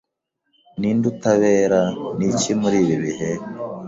Ninde utabera Niki muri ibi bihe